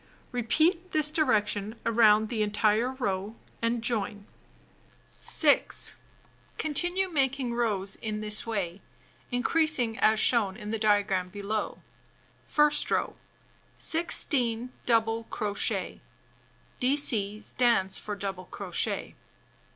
Repeat this direction around the entire row, and join. 6. Continue making rows in this way, increasing as shown in the diagram below: 1st row — 16 double crochet (dc stands for double crochet).